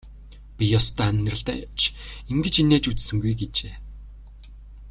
Би ёстой амьдралдаа ч ингэж инээж үзсэнгүй гэжээ.